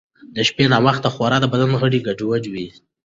د شپې ناوخته خورا د بدن غړي ګډوډوي.